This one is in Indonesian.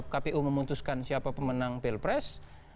kpu memutuskan siapa pemenang pilpres